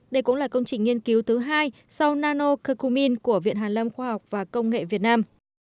đây cũng là công trình nghiên cứu thứ hai sau nanocomin của viện hàn lâm khoa học và công nghệ việt nam